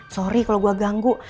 sorry kalau gue ganggu